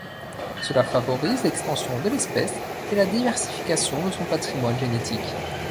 Cela favorise l'extension de l'espèce et la diversification de son patrimoine génétique.